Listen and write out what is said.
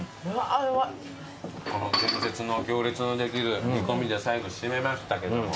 この伝説の行列のできる煮込みで最後締めましたけども。